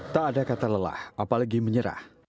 tak ada kata lelah apalagi menyerah